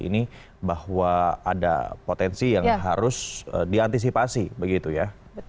indonesia itu memberi nama